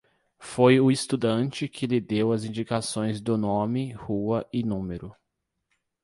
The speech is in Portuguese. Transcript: Foi o estudante que lhe deu as indicações do nome, rua e número.